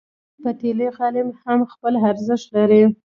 پتېلي غالۍ هم خپل ارزښت لري.